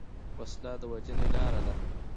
وسله د وژنې لاره ده